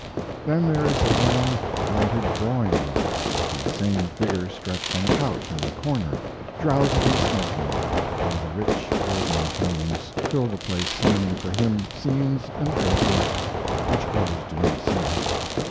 Then there is the long, lighted drawing room with the same figure stretched on a couch in the corner, drowsily smoking, while the rich organ tones fill the place summoning for him scenes and faces which others do not see.